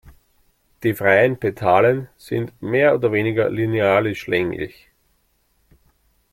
Die freien Petalen sind mehr oder weniger linealisch-länglich.